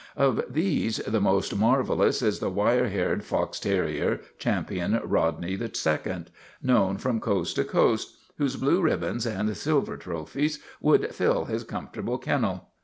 Of these the most marvelous is the wire haired fox terrier Champion Rodney II, known from coast to coast, whose blue ribbons and silver trophies would fill his comfortable kennel.